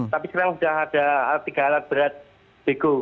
tapi sekarang sudah ada tiga alat berat bego